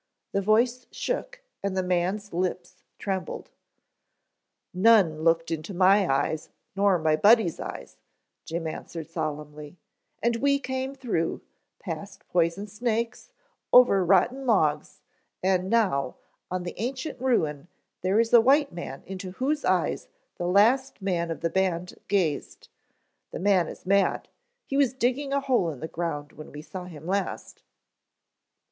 The voice shook and the man's lips trembled. "None looked into my eyes, nor my buddy's eyes," Jim answered solemnly, "and we came through, past poison snakes, over rotten logs, and now, on the ancient ruin there is a white man into whose eyes the last man of the band gazed. The man is mad, he was digging a hole in the ground when we saw him last."